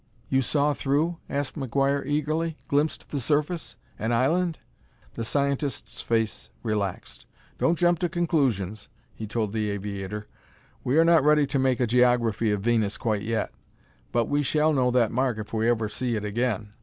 "You saw through?" asked McGuire eagerly. "Glimpsed the surface? an island?" The scientist's face relaxed. "Don't jump to conclusions," he told the aviator: "we are not ready to make a geography of Venus quite yet. But we shall know that mark if we ever see it again.